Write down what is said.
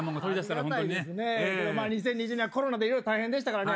でも２０２０年はコロナでいろいろ大変でしたからね。